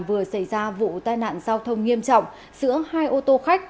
vừa xảy ra vụ tai nạn giao thông nghiêm trọng giữa hai ô tô khách